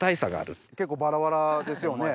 結構バラバラですよね？